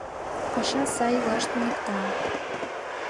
Паша сай илаш туныкта!